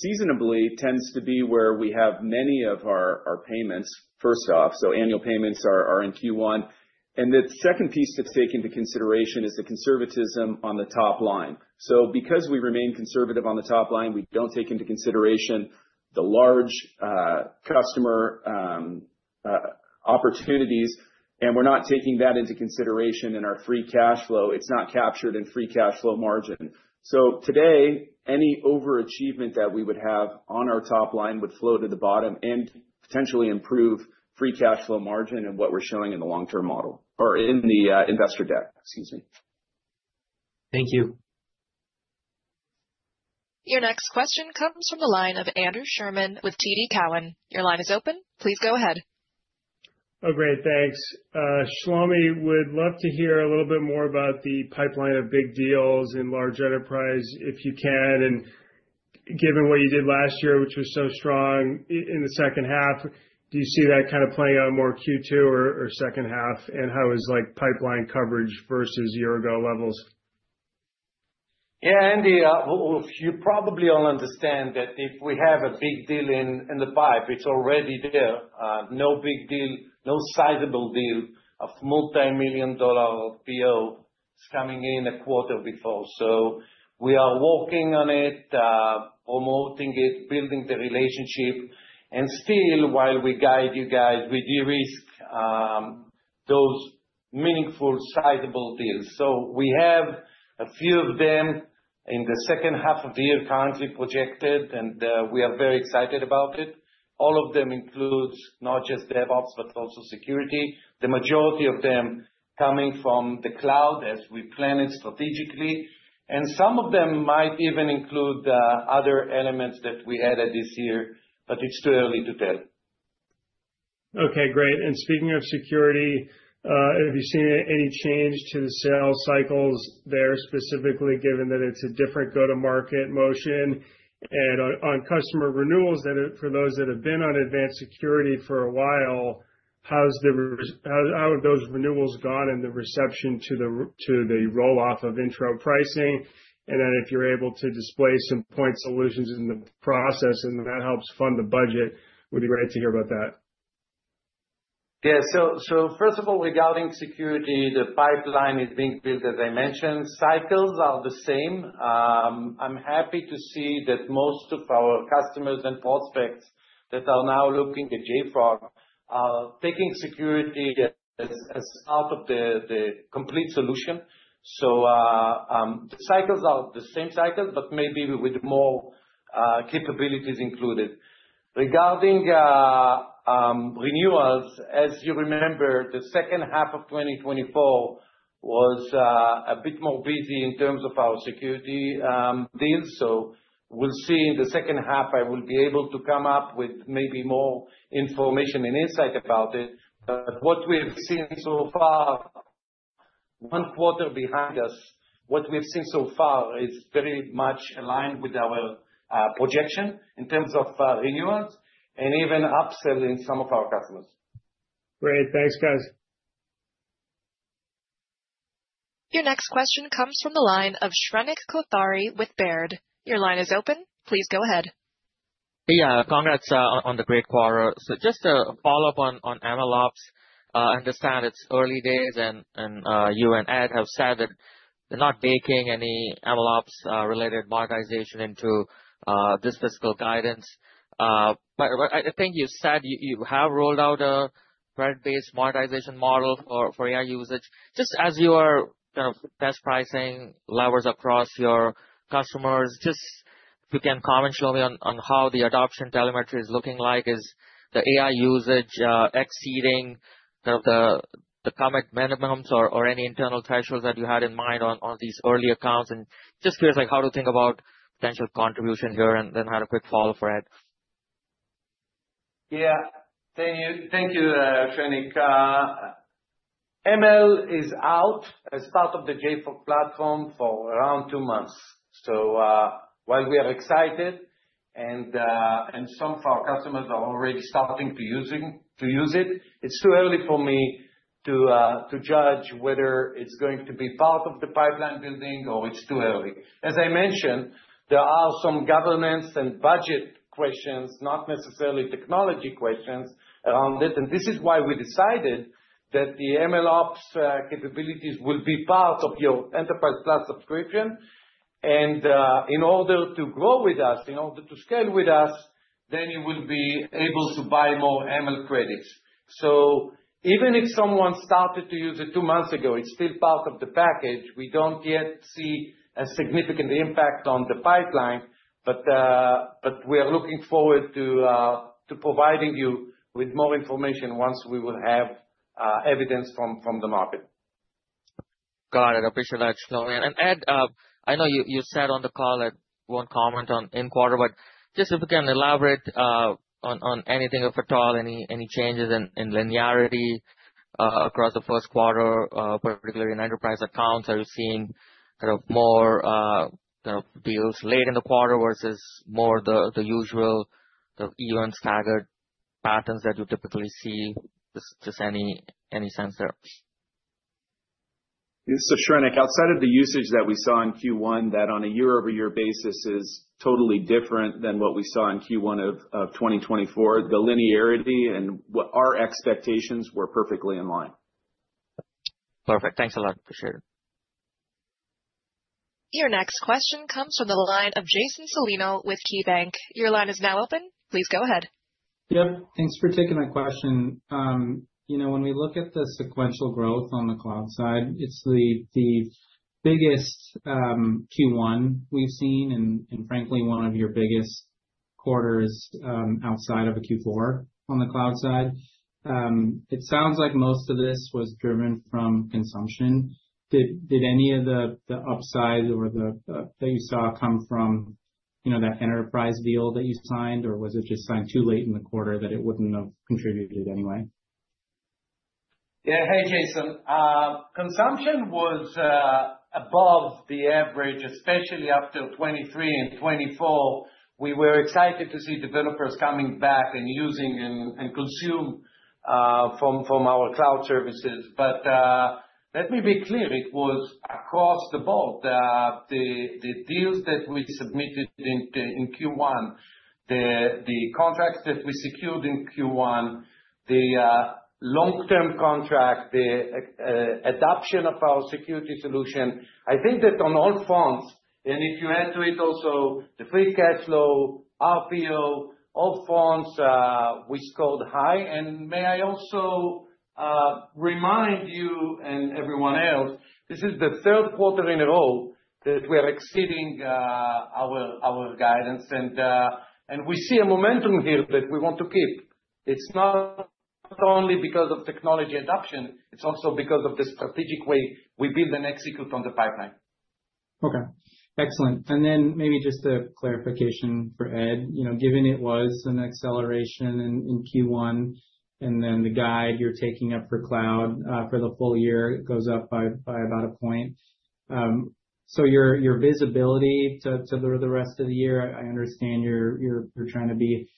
seasonably tends to be where we have many of our payments, first off. Annual payments are in Q1. The second piece to take into consideration is the conservatism on the top line. Because we remain conservative on the top line, we don't take into consideration the large customer opportunities, and we're not taking that into consideration in our free cash flow. It's not captured in free cash flow margin. Today, any overachievement that we would have on our top line would flow to the bottom and potentially improve free cash flow margin and what we're showing in the long-term model or in the investor deck. Excuse me. Thank you. Your next question comes from the line of Andrew Sherman with TD Cowen. Your line is open. Please go ahead. Oh, great. Thanks. Shlomi, would love to hear a little bit more about the pipeline of big deals in large enterprise, if you can. Given what you did last year, which was so strong in the second half, do you see that kind of playing out more Q2 or second half and how is pipeline coverage versus year-ago levels? Yeah, Andy, you probably all understand that if we have a big deal in the pipe, it's already there. No big deal, no sizable deal of multi-million dollar PO is coming in a quarter before. We are working on it, promoting it, building the relationship. Still, while we guide you guys, we de-risk those meaningful, sizable deals. We have a few of them in the second half of the year currently projected, and we are very excited about it. All of them include not just DevOps, but also security. The majority of them are coming from the cloud as we plan it strategically. Some of them might even include other elements that we added this year, but it is too early to tell. Okay. Great. Speaking of security, have you seen any change to the sales cycles there specifically, given that it is a different go-to-market motion? On customer renewals, for those that have been on advanced security for a while, how have those renewals gone and the reception to the rolloff of intro pricing? If you're able to display some point solutions in the process and that helps fund the budget, would be great to hear about that. Yeah. First of all, regarding security, the pipeline is being built, as I mentioned. Cycles are the same. I'm happy to see that most of our customers and prospects that are now looking at JFrog are taking security as part of the complete solution. The cycles are the same cycles, but maybe with more capabilities included. Regarding renewals, as you remember, the second half of 2024 was a bit more busy in terms of our security deals. We'll see in the second half, I will be able to come up with maybe more information and insight about it. What we have seen so far, one quarter behind us, what we've seen so far is very much aligned with our projection in terms of renewals and even upselling some of our customers. Great. Thanks, guys. Your next question comes from the line of Shrenik Kothari with Baird. Your line is open. Please go ahead. Yeah. Congrats on the great quarter. Just to follow up on MLOps, I understand it's early days, and you and Ed have said that they're not baking any MLOps-related monetization into this fiscal guidance. I think you said you have rolled out a credit-based monetization model for AI usage. Just as you are kind of best pricing levels across your customers, just if you can comment, Shlomi, on how the adoption telemetry is looking like, is the AI usage exceeding kind of the commit minimums or any internal thresholds that you had in mind on these early accounts? Just curious how to think about potential contribution here and then had a quick follow-up for Ed. Yeah. Thank you, Shrenik. ML is out as part of the JFrog Platform for around two months. While we are excited and some of our customers are already starting to use it, it's too early for me to judge whether it's going to be part of the pipeline building or it's too early. As I mentioned, there are some governance and budget questions, not necessarily technology questions around it. This is why we decided that the MLOps capabilities will be part of your enterprise-plus subscription. In order to grow with us, in order to scale with us, you will be able to buy more ML credits. Even if someone started to use it two months ago, it is still part of the package. We do not yet see a significant impact on the pipeline, but we are looking forward to providing you with more information once we have evidence from the market. Got it. I appreciate that, Shlomi. Ed, I know you said on the call that you won't comment on in quarter, but just if we can elaborate on anything at all, any changes in linearity across the first quarter, particularly in enterprise accounts, are you seeing kind of more kind of deals late in the quarter versus more the usual events staggered patterns that you typically see? Just any sense there. Shrenik, outside of the usage that we saw in Q1 that on a year-over-year basis is totally different than what we saw in Q1 of 2024, the linearity and what our expectations were perfectly in line. Perfect. Thanks a lot. Appreciate it. Your next question comes from the line of Jason Celino with KeyBanc. Your line is now open. Please go ahead. Yep. Thanks for taking my question. When we look at the sequential growth on the cloud side, it's the biggest Q1 we've seen and frankly, one of your biggest quarters outside of a Q4 on the cloud side. It sounds like most of this was driven from consumption. Did any of the upside or that you saw come from that enterprise deal that you signed, or was it just signed too late in the quarter that it wouldn't have contributed anyway? Yeah. Hey, Jason. Consumption was above the average, especially after 2023 and 2024. We were excited to see developers coming back and using and consume from our cloud services. Let me be clear, it was across the board. The deals that we submitted in Q1, the contracts that we secured in Q1, the long-term contract, the adoption of our security solution, I think that on all fronts, and if you add to it also the free cash flow, RPO, all fronts, we scored high. May I also remind you and everyone else, this is the third quarter in a row that we are exceeding our guidance, and we see a momentum here that we want to keep. It's not only because of technology adoption, it's also because of the strategic way we build and execute on the pipeline. Okay. Excellent. Maybe just a clarification for Ed, given it was an acceleration in Q1, and then the guide you're taking up for cloud for the full year goes up by about a point. Your visibility to the rest of the year, I understand you're trying to be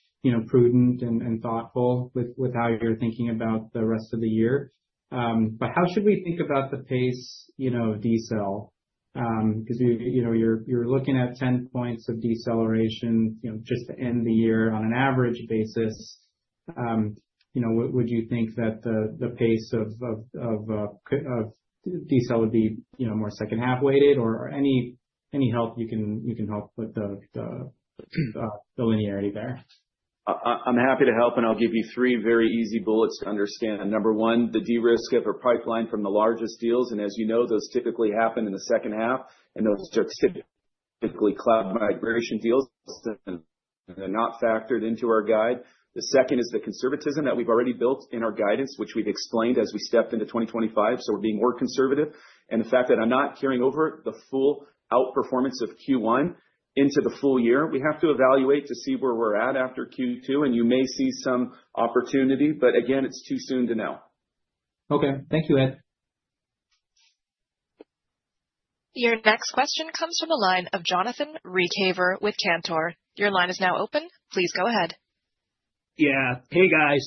prudent and thoughtful with how you're thinking about the rest of the year. But how should we think about the pace of decel? Because you're looking at 10 percentage points of deceleration just to end the year on an average basis. Would you think that the pace of decel would be more second-half weighted, or any help you can help with the linearity there? I'm happy to help, and I'll give you three very easy bullets to understand. Number one, the de-risk of a pipeline from the largest deals. And as you know, those typically happen in the second half, and those are typically cloud migration deals, and they're not factored into our guide. The second is the conservatism that we've already built in our guidance, which we've explained as we stepped into 2025. We're being more conservative. The fact that I'm not carrying over the full outperformance of Q1 into the full year, we have to evaluate to see where we're at after Q2, and you may see some opportunity, but again, it's too soon to know. Thank you, Ed. Your next question comes from the line of Jonathan Reedhaver with Cantor. Your line is now open. Please go ahead. Yeah. Hey, guys.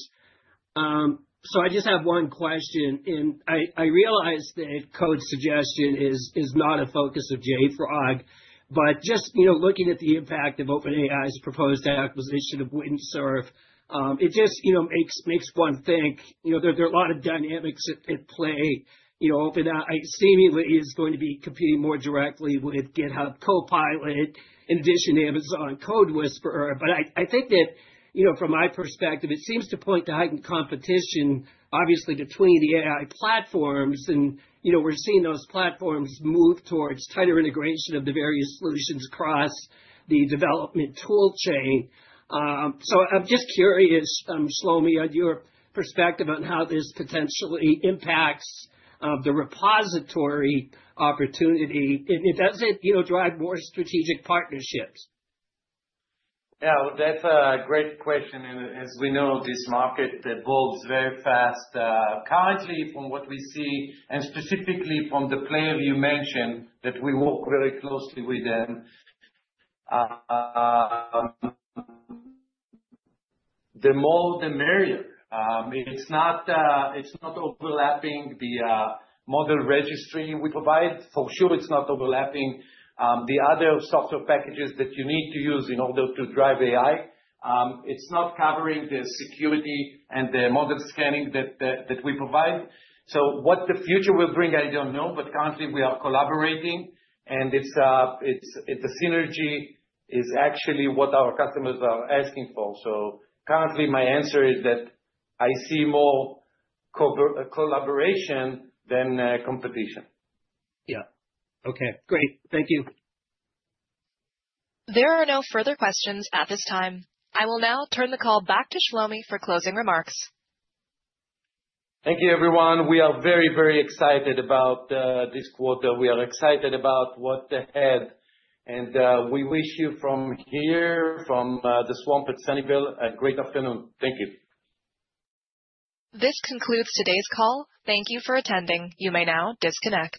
I just have one question. I realize that code suggestion is not a focus of JFrog, but just looking at the impact of OpenAI's proposed acquisition of Windsurf, it just makes one think there are a lot of dynamics at play. OpenAI seemingly is going to be competing more directly with GitHub Copilot in addition to Amazon CodeWhisperer. I think that from my perspective, it seems to point to heightened competition, obviously, between the AI platforms. We're seeing those platforms move towards tighter integration of the various solutions across the development toolchain. I'm just curious, Shlomi, on your perspective on how this potentially impacts the repository opportunity and does it drive more strategic partnerships? Yeah, that's a great question. As we know, this market evolves very fast. Currently, from what we see, and specifically from the player you mentioned that we work very closely with, the more the merrier. It's not overlapping the model registry we provide. For sure, it's not overlapping the other software packages that you need to use in order to drive AI. It's not covering the security and the model scanning that we provide. What the future will bring, I do not know, but currently, we are collaborating, and the synergy is actually what our customers are asking for. Currently, my answer is that I see more collaboration than competition. Yeah. Okay. Great. Thank you. There are no further questions at this time. I will now turn the call back to Shlomi for closing remarks. Thank you, everyone. We are very, very excited about this quarter. We are excited about what ahead. We wish you from here, from the swamp at Sunnyvale, a great afternoon. Thank you. This concludes today's call. Thank you for attending. You may now disconnect.